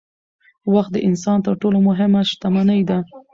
وخت د انسان تر ټولو مهمه شتمني ده